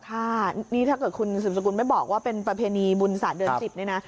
ค่ะนี่ถ้าเกิดคุณสืบสกุลไม่บอกว่าเป็นประเพณีบุญศาสตร์เดือน๑๐เนี่ยนะ